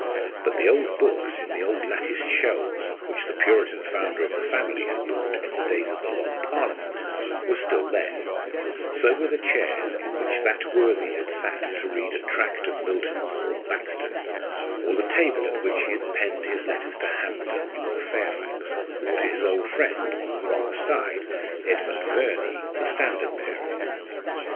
But the old books in the old latticed shelves which the Puritan founder of the family had bought in the days of the Long Parliament were still there; so were the chairs in which that worthy had sat to read a tract of Milton's or of Baxter's, or the table at which he had penned his letters to Hampden or Fairfax, or to his old friend on the wrong side Edmund Verney the standard bearer.